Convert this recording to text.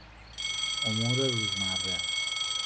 امورروزمره